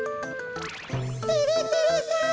てれてれさん！